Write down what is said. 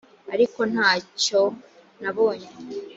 ariko nta cyo nabonye